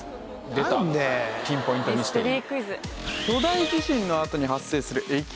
出たピンポイントミステリー。